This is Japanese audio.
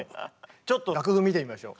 ちょっと楽譜見てみましょう。